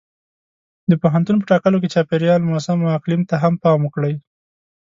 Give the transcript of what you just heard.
د پوهنتون په ټاکلو کې چاپېریال، موسم او اقلیم ته هم پام وکړئ.